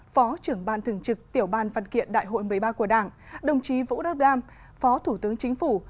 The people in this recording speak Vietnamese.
phó trưởng ban thường trực tiểu ban văn kiện đại hội một mươi ba của đảng đồng chí vũ đắc đam phó thủ tướng chính phủ